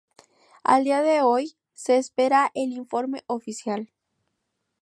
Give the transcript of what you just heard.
A día de hoy, se espera el informe oficial.